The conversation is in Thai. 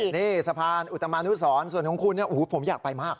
นี่สะพานอุตมานุสรส่วนของคุณผมอยากไปมาก